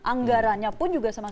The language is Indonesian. anggaranya pun juga semangat